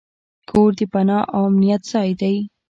کور د پناه او امنیت ځای دی.